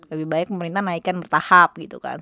lebih baik pemerintah naikkan bertahap gitu kan